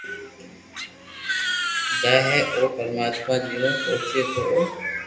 جائي ھي او پتماتما جنو پوچي تو او